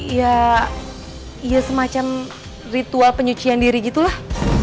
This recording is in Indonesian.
iya ya semacam ritual penyucian diri gitulah